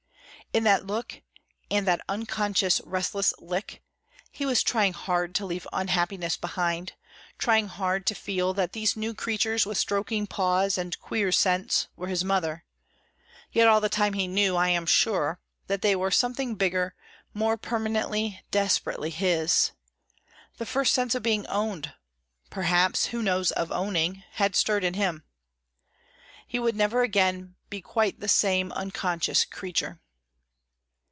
In that look, and that unconscious restless lick; he was trying hard to leave unhappiness behind, trying hard to feel that these new creatures with stroking paws and queer scents, were his mother; yet all the time he knew, I am sure, that they were something bigger, more permanently, desperately, his. The first sense of being owned, perhaps (who knows) of owning, had stirred in him. He would never again be quite the same unconscious creature.